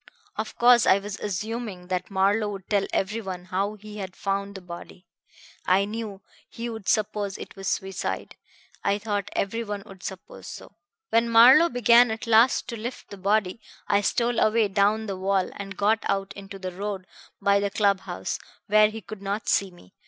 Of course I was assuming that Marlowe would tell everyone how he had found the body. I knew he would suppose it was suicide; I thought everyone would suppose so. "When Marlowe began at last to lift the body, I stole away down the wall and got out into the road by the club house, where he could not see me.